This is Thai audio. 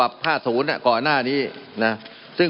มันมีมาต่อเนื่องมีเหตุการณ์ที่ไม่เคยเกิดขึ้น